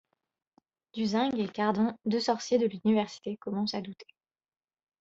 Duzinc et Cardant, deux sorciers de l’Université, commencent à douter.